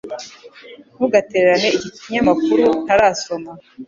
Ntugatererane iki kinyamakuru Ntarasoma